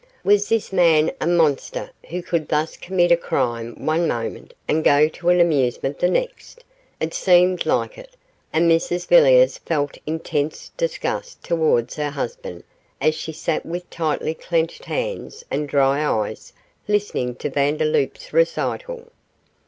Was this man a monster who could thus commit a crime one moment and go to an amusement the next? It seemed like it, and Mrs Villiers felt intense disgust towards her husband as she sat with tightly clenched hands and dry eyes listening to Vandeloup's recital.